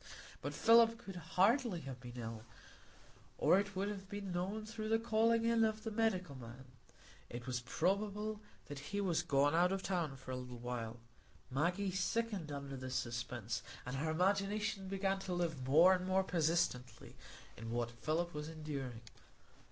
But Philip could hardly have been ill, or it would have been known through the calling in of the medical man; it was probable that he was gone out of the town for a little while. Maggie sickened under this suspense, and her imagination began to live more and more persistently in what Philip was enduring.